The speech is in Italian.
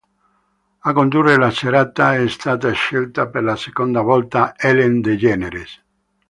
A condurre la serata è stata scelta per la seconda volta Ellen DeGeneres.